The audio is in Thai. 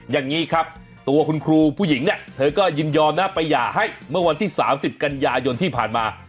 อย่างนี้ครับตัวคุณครูผู้หญิงเนี่ยเธอก็ยินยอมนะไปหย่าให้เมื่อวันที่๓๐กันยายนที่ผ่านมา